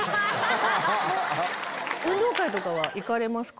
運動会とかは行かれますか？